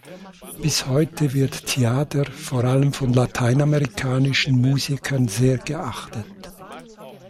Bis heute wird Tjader vor allem von lateinamerikanischen Musikern sehr geachtet.